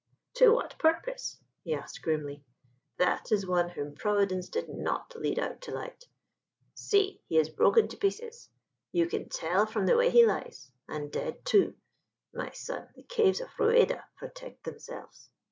"To what purpose?" he asked grimly. "That is one whom Providence did not lead out to light. See, he is broken to pieces you can tell from the way he lies; and dead, too. My son, the caves of Rueda protect themselves."